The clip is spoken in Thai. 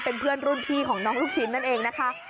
เป็นเพื่อนรุ่นพี่ของน้องลูกชิ้นนั่นเองนะคะ